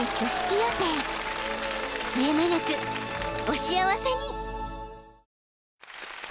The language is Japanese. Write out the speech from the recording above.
［末永くお幸せに］